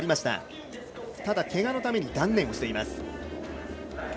ただ、けがのために断念しています。